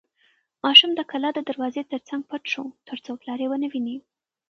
ماشوم د کلا د دروازې تر څنګ پټ شو ترڅو پلار یې ونه ویني.